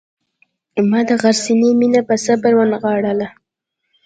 ما د غرڅنۍ مینه په صبر ونغاړله.